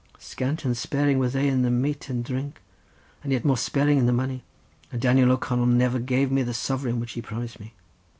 Scant and sparing were they in the mate and drink, and yet more sparing in the money, and Daniel O'Connell never gave me the sovereign which he promised me.